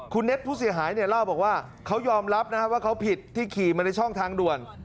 คุณเน็ตผู้เสียหายเนี่ยเล่าบอกว่าเขายอมรับนะว่าเขาผิดที่ขี่มาในช่องทางด่วน